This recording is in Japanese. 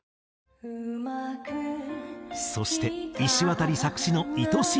「うまく」そしていしわたり作詞の『愛しい人』。